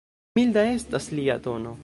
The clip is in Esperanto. Milda estas lia tono.